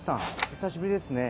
久しぶりですね。